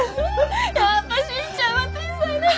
やっぱりシンちゃんは天才だね！